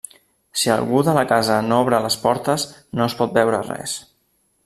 Si algú de la casa no obre les portes, no es pot veure res.